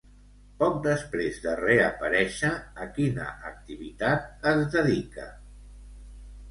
Poc després de reaparèixer, a quina activitat es dedica?